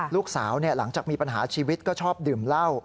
หลังจากมีปัญหาชีวิตก็ชอบดื่มเหล้า